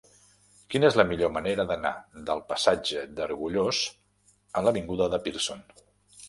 Quina és la millor manera d'anar del passatge d'Argullós a l'avinguda de Pearson?